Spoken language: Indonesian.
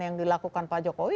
yang dilakukan pak jokowi